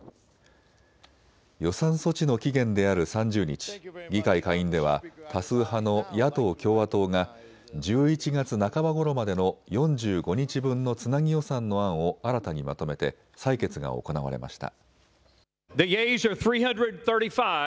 予算措置の期限である３０日議会下院では多数派の野党・共和党が１１月半ばごろまでの４５日分のつなぎ予算の案を新たにまとめて採決が行われました。